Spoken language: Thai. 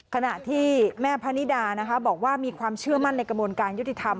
ขณะที่แม่พะนิดานะคะบอกว่ามีความเชื่อมั่นในกระบวนการยุติธรรม